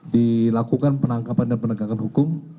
dilakukan penangkapan dan penegakan hukum